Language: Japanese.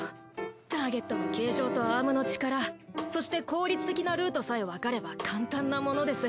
ターゲットの形状とアームの力そして効率的なルートさえわかれば簡単なものです。